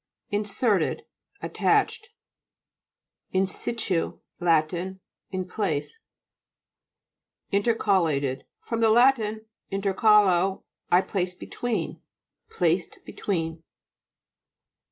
INSERTED Attached. IN SITU Lat. In place. INTERCALATED fr. lat. intercalo, I place between. Placed between.